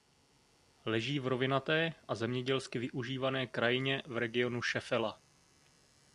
Leží v rovinaté a zemědělsky využívané krajině v regionu Šefela.